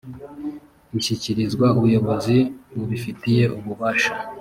ishyikirizwa ubuyobozi bubifitiye ububasha